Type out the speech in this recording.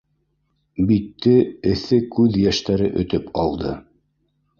Битте эҫе күҙ йәштәре өтөп алды.